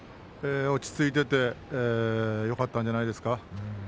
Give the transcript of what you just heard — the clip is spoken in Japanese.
落ち着いててよかったんじゃないですか。